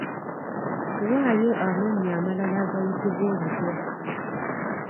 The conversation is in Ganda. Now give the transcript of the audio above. Waayo amannya amalala agayitibwa obutwa .